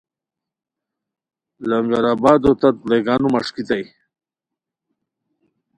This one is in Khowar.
لنگرآبادو تت ڑیگانو مݰکیتائے